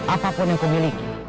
apapun yang kumiliki